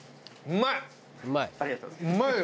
ありがとうございます。